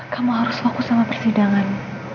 kamu harus fokus sama persidangan